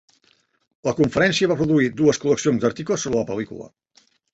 La conferència va produir dues col·leccions d'articles sobre la pel·lícula.